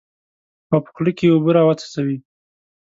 او په خوله کې اوبه راوڅڅوي.